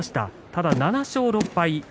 ただ７勝６敗。